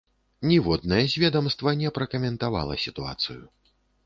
Ніводнае з ведамства не пракаментавала сітуацыю.